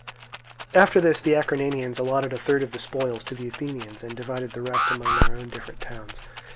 After this the Acarnanians allotted a third of the spoils to the Athenians, and divided the rest among their own different towns.